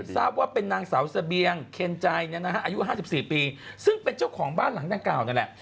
ทราบว่าเป็นนางสาวเสบียงเคนใจอายุ๕๔ปีซึ่งเป็นเจ้าของบ้านหลังดังกล่าวนั่นแหละ